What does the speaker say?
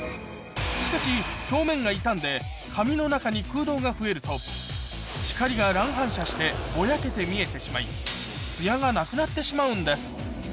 しかし表面が傷んで髪の中に空洞が増えると光が乱反射してぼやけて見えてしまいツヤがなくなってしまうんです